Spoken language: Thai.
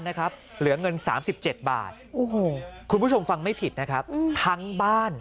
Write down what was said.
เหลือเงิน๓๗บาทคุณผู้ชมฟังไม่ผิดนะครับทั้งบ้าน